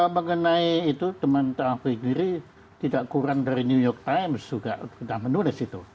mengenai itu teman teman sendiri tidak kurang dari new york times juga sudah menulis itu